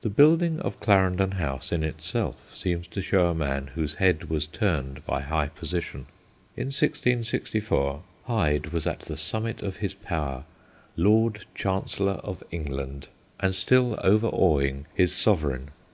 The building of Clarendon House in itself seemed to show a man whose head was turned by high position. In 1664 Hyde 18 THE GHOSTS OF PICCADILLY was at the summit of his power, Lord Chan cellor of England, and still overawing his sovereign.